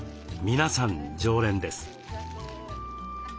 皆さん常連です。